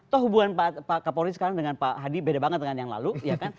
toh hubungan pak kapolri sekarang dengan pak hadi beda banget dengan yang lalu ya kan